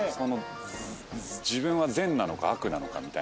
自分は善なのか悪なのかみたいな。